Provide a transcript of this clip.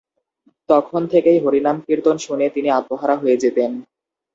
তখন থেকেই হরিনামকীর্তন শুনে তিনি আত্মহারা হয়ে যেতেন।